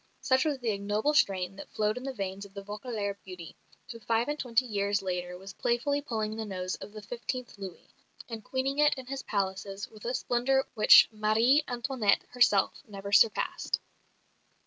Such was the ignoble strain that flowed in the veins of the Vaucouleurs beauty, who five and twenty years later was playfully pulling the nose of the fifteenth Louis, and queening it in his palaces with a splendour which Marie Antoinette herself never surpassed.